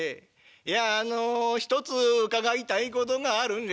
いやあの一つ伺いたいことがあるんですがね